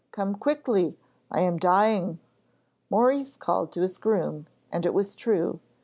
Come quickly! I am dying,' Maurice called to his groom, and it was true.